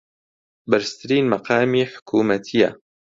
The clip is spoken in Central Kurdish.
بەرزترین مەقامی حکوومەتییە